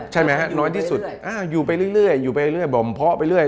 ใช่ไหมฮะน้อยที่สุดอยู่ไปเรื่อยอยู่ไปเรื่อยบ่อมเพาะไปเรื่อย